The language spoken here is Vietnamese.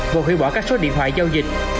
và hủy bỏ các số điện thoại giao dịch